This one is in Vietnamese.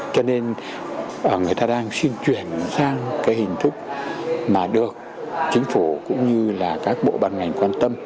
cho nên người ta đang xin chuyển sang cái hình thức mà được chính phủ cũng như là các bộ bàn ngành quan tâm